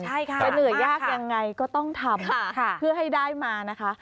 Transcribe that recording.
ใช่ค่ะจะเหนื่อยยากยังไงก็ต้องทำเพื่อให้ได้มานะคะ